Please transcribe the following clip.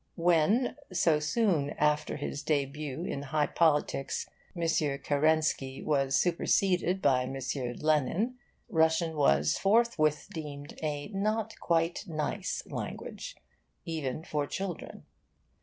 When, so soon after his de'but in high politics, M. Kerensky was superseded by M. Lenin, Russian was forthwith deemed a not quite nice language, even for children.